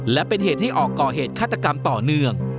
และเป็นเหตุให้ออกก่อเหตุฆาตกรรมต่อเนื่อง